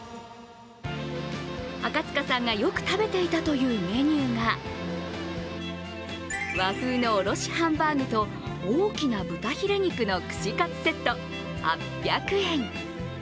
赤塚さんがよく食べていたというメニューが和風のおろしハンバーグと大きな豚ヒレ肉の串カツセット８００円。